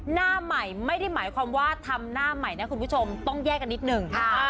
หน้าใหม่ไม่มีความว่าอะทำหน้าใหม่เลยคุณผู้ชมต้องแยกกันนิดนึง